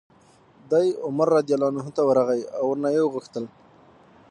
دی عمر رضي الله عنه ته ورغی او ورنه ویې غوښتل